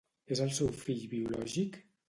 És el seu fill biològic?